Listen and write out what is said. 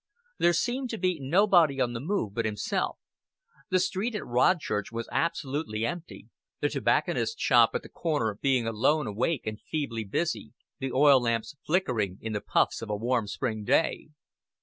There seemed to be nobody on the move but himself; the street at Rodchurch was absolutely empty, the tobacconist's shop at the corner being alone awake and feebly busy, the oil lamps flickering in the puffs of a warm spring wind.